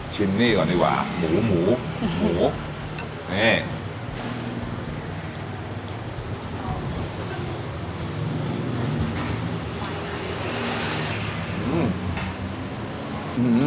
นี่ก่อนดีกว่าหมูหมูหมูนี่